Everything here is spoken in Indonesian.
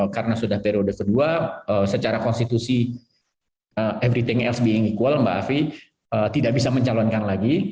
karena sudah periode kedua secara konstitusi everything else being equal mbak afi tidak bisa mencalonkan lagi